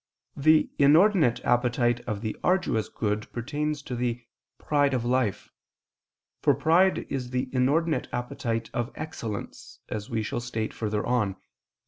The inordinate appetite of the arduous good pertains to the "pride of life"; for pride is the inordinate appetite of excellence, as we shall state further on (Q.